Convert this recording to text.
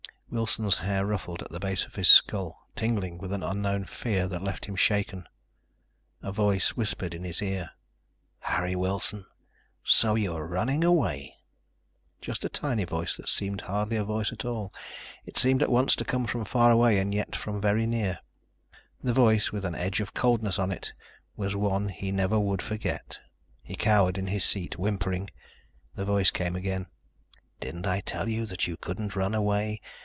Wilson's hair ruffled at the base of his skull, tingling with an unknown fear that left him shaken. A voice whispered in his ear: "Harry Wilson. So you are running away!" Just a tiny voice that seemed hardly a voice at all, it seemed at once to come from far away and yet from very near. The voice, with an edge of coldness on it, was one he never would forget. He cowered in his seat, whimpering. The voice came again: "Didn't I tell you that you couldn't run away?